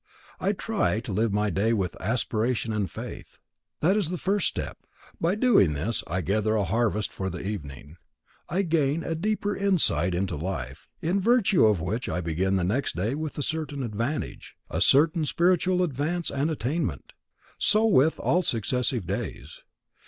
I try to live my day with aspiration and faith. That is the first step. By doing this, I gather a harvest for the evening, I gain a deeper insight into life, in virtue of which I begin the next day with a certain advantage, a certain spiritual advance and attainment. So with all successive days.